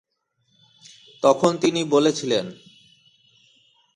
তখন তিনি বলছিলেন।